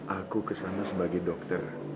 aku ke sana sebagai dokter